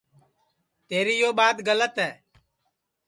تیری یو ٻات گلت ہے